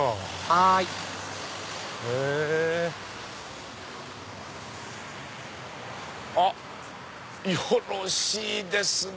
はいあっよろしいですね